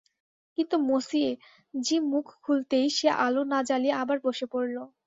কিন্তু monsieur G মুখ খুলতেই সে আলো না জ্বলিয়ে আবার বসে পড়ল।